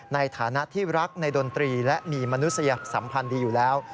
ในฐานะที่รักในดนตรีและมีมนุษยสัมพันธ์ดีอยู่แล้ว